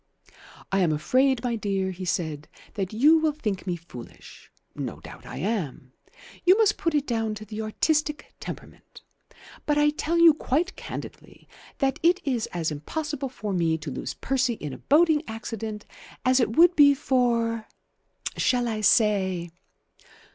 "I am afraid, my dear," he said, "that you will think me foolish. No doubt I am. You must put it down to the artistic temperament. But I tell you quite candidly that it is as impossible for me to lose Percy in a boating accident as it would be for shall I say?